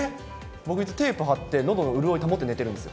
僕テープはって、のどの潤い、保って寝てるんですよ。